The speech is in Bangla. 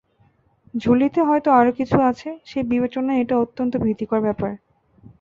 ঝুলিতে হয়তো আরও কিছু আছে, সেই বিবেচনায় এটা অত্যন্ত ভীতিকর ব্যাপার।